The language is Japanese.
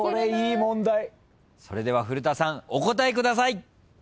それでは古田さんお答えください。